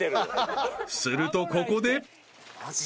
［するとここで］